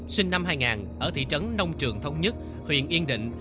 sinh năm hai nghìn ở thị trấn nông trường thống nhất huyện yên định